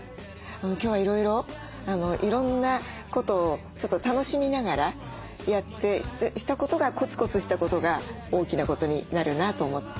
今日はいろいろいろんなことをちょっと楽しみながらやってしたことがコツコツしたことが大きなことになるなと思って。